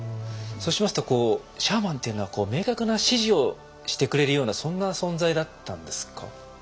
そうしますとシャーマンというのは明確な指示をしてくれるようなそんな存在だったんですか？